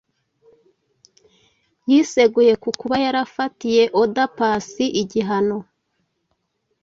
yiseguye ku kuba yarafatiye Oda Paccy igihano